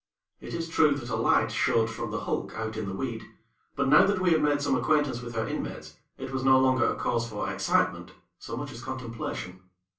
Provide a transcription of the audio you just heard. It is true that a light showed from the hulk out in the weed; but now that we had made some acquaintance with her inmates, it was no longer a cause for excitement, so much as contemplation.